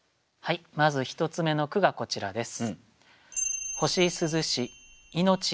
まず一つ目の句がこちらです。